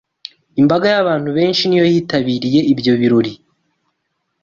imbaga y'abantu benshi niyo yitabiriye ibyo birori